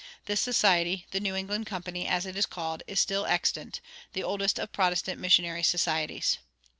This society, "The New England Company," as it is called, is still extant the oldest of Protestant missionary societies.